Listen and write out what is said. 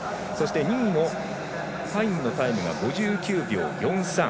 ２位のパインのタイムは５９秒４３。